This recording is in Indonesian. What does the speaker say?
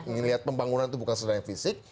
ngelihat pembangunan itu bukan sederhana yang fisik